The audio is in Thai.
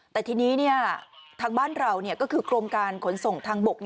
แต่ทีนี้ทางบ้านเราก็คือกรมการขนส่งทางบก